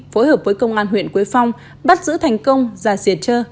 phối hợp với công an huyện quế phong bắt giữ thành công ra siệt trơ